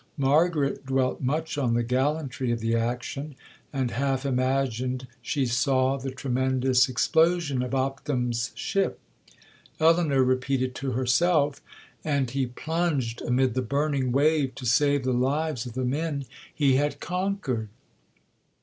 Margaret dwelt much on the gallantry of the action, and half imagined she saw the tremendous explosion of Opdam's ship. Elinor repeated to herself, 'And he plunged amid the burning wave to save the lives of the men he had conquered!'